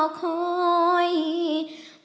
มารุดใจหล่ะ